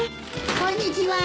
・こんにちは。